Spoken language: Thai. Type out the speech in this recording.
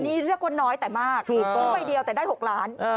อันนี้เลือกว่าน้อยแต่มากต้องใบเดียวแต่ได้๖ล้าน